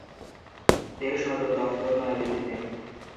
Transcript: এর সদর দফতর নয়াদিল্লিতে।